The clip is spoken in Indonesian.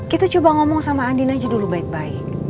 kita coba ngomong sama andin aja dulu baik baik